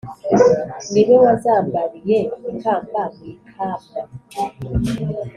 Ni we wazambariye ikamba mw'ikamwa,